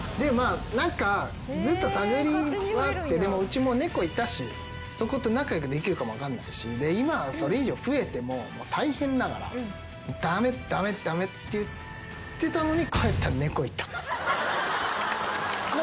何かずっと探りはあってうちもう猫いたし仲良くできるかも分かんないし今それ以上増えても大変だから。って言ってたのに。